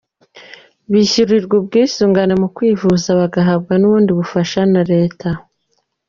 Bishyurirwa ubwisungane mu kwivuza, bagahabwa n’ubundi bufasha na Leta.